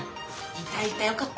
いたいたよかった。